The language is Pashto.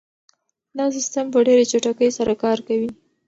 دا سیسټم په ډېره چټکۍ سره کار کوي.